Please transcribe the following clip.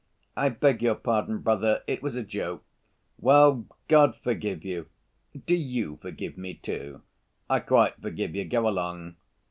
"I beg your pardon, brother, it was a joke." "Well, God forgive you!" "Do you forgive me, too?" "I quite forgive you. Go along."